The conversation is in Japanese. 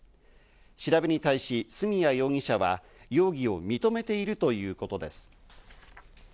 調べに対し、角谷容疑者は容疑を認めているということです。